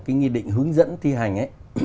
cái nghị định hướng dẫn thi hành